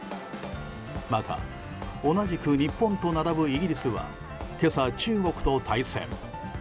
また、同じく日本と並ぶイギリスは今朝、中国と対戦。